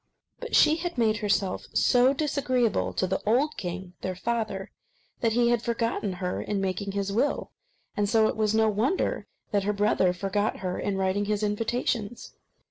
But she had made herself so disagreeable to the old king, their father, that he had forgotten her in making his will; and so it was no wonder that her brother forgot her in writing his invitations.